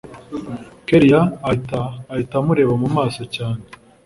kellia ahita ahita amureba mumaso cyane